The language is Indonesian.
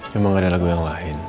cuma gak ada lagu yang lain